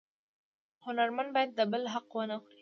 هنرمن باید د بل حق ونه خوري